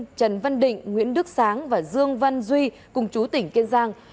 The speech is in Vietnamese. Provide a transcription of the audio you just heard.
trần văn định nguyễn đức sáng và dương văn duy cùng chú tỉnh kiên giang